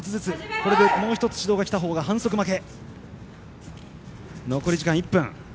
これでもう１つ指導がきたほうが反則負け。